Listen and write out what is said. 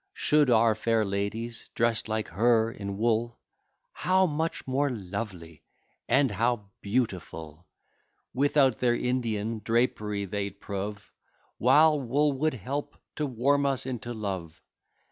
Should our fair ladies dress like her, in wool How much more lovely, and how beautiful, Without their Indian drapery, they'd prove! While wool would help to warm us into love!